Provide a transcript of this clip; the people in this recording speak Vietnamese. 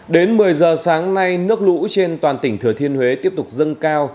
đến một mươi giờ sáng nay nước lũ trên toàn tỉnh thừa thiên huế tiếp tục dâng cao